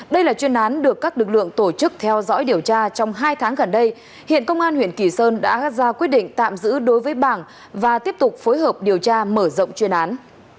đây là chuyên án được các lực lượng tổ chức theo dõi điều tra trong hai tháng gần đây hiện công an huyện kỳ sơn đã ra quyết định tạm giữ đối với bảng và tiếp tục phối hợp điều tra mở rộng chuyên án